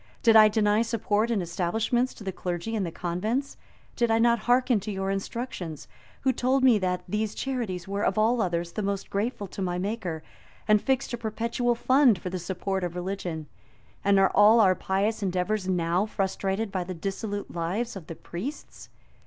Did I deny support and establishments to the clergy and the convents? Did I not hearken to your instructions, who told me that these charities were, of all others, the most grateful to my Maker, and fixed a perpetual fund for the support of religion? And are all our pious endeavors now frustrated by the dissolute lives of the priests?